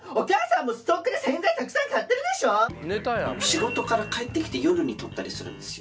仕事から帰ってきて夜に撮ったりするんですよ。